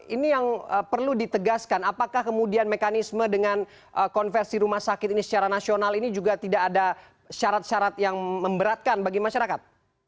ini yang perlu ditegaskan apakah kemudian mekanisme dengan konversi rumah sakit ini secara nasional ini juga tidak ada syarat syarat yang memberatkan bagi masyarakat